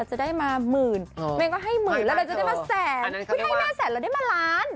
ให้แม่แสนแล้วได้มาร้าน